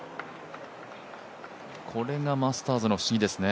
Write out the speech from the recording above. これがマスターズの不思議ですね。